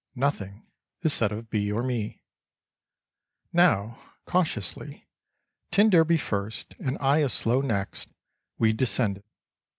Nothing is said of B. or me. Now, cautiously, t d first and I a slow next, we descend.